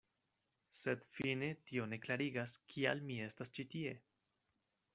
Sed fine tio ne klarigas, kial mi estas ĉi tie.